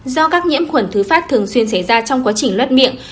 do các nhiễm khuẩn thứ phát thường xuyên xảy ra trong quá trình loat miệng